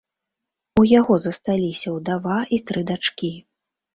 У яго засталіся ўдава і тры дачкі.